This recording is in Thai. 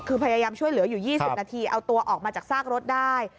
คือพยายามช่วยเหลืออยู่๒๐นาทีเอาตัวออกมาจากซากรถได้